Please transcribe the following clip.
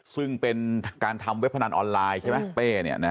ซึ่งเป็นการทำเว็บบานออนไลน์ใช่ไหมเป้เนี่ยนะคะ